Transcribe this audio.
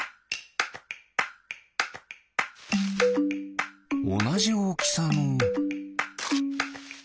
おなじおおきさの。